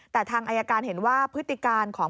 แต่ทางอายการเห็นว่าพฤติการของ